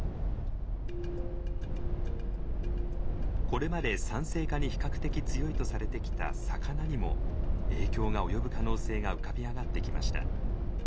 これまで酸性化に比較的強いとされてきた魚にも影響が及ぶ可能性が浮かび上がってきました。